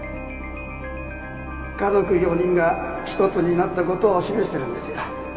家族４人がひとつになった事を示してるんですよ。